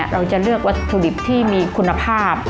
เราจะเลือกวัตถุดิบที่มีคุณภาพ